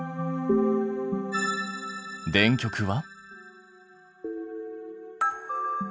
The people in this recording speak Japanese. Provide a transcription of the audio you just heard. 電極は？